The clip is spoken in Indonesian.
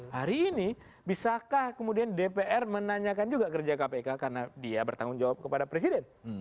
hari ini bisakah kemudian dpr menanyakan juga kerja kpk karena dia bertanggung jawab kepada presiden